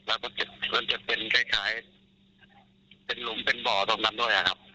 แล้วก็มันจะเป็นคล้ายเป็นหลุมเป็นบ่อตรงนั้นด้วยครับ